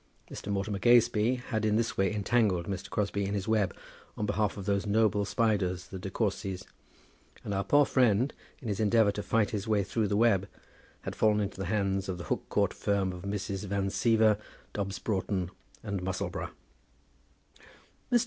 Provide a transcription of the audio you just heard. Mr. Mortimer Gazebee had in this way entangled Mr. Crosbie in his web on behalf of those noble spiders, the De Courcys, and our poor friend, in his endeavour to fight his way through the web, had fallen into the hands of the Hook Court firm of Mrs. Van Siever, Dobbs Broughton, and Musselboro. "Mr.